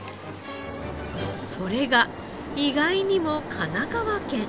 それが意外にも神奈川県。